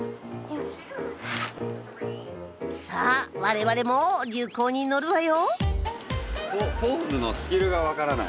さあ我々も流行に乗るわよ！